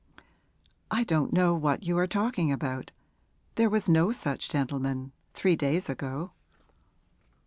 'I don't know what you are talking about. There was no such gentleman three days ago.'